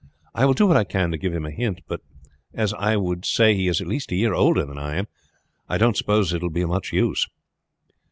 I will do what I can to give him a hint; but as I should say he is at least a year older than I am, I do not suppose it will be of much use."